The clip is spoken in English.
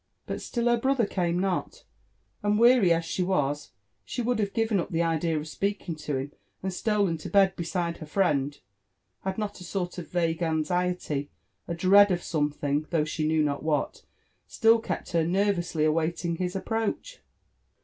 But still her brother came not ; and J 9M LIFE AND ADVENTURES OF weary as she was, she would have given up the idea of Speaking tx> him and stolen lo bed beside her friend, had not a sort of vague anxiety , a dread ofsomelhing (hough slie knew not what, slill kepi ber tier— lously awaiting his approach.